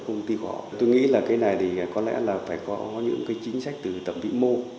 tôi nghĩ là cái này thì có lẽ là phải có những cái chính sách từ tầm vĩ mô